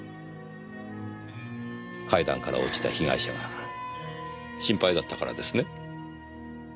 階段から落ちた被害者が心配だったからですね？